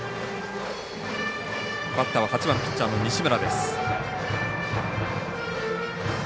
バッターは８番ピッチャーの西村です。